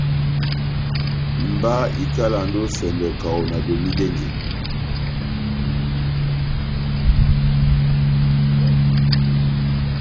Mba ikalandi ó esɛndɔ kaho nadomidɛnjɛ.